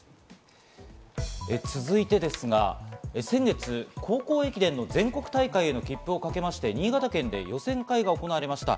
続いてですが、先月、高校駅伝の全国大会への切符をかけた新潟県で予選会が行われました。